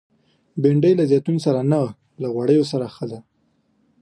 بېنډۍ له زیتونو سره نه، له غوړیو سره ښه ده